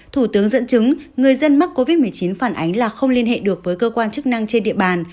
thủ tướng dẫn chứng người dân mắc covid một mươi chín phản ánh là không liên hệ được với cơ quan chức năng trên địa bàn